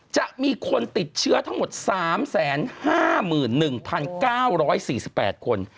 จะมีคนติดเชื้อทั้งหมด๓๕๑๙๔๘คน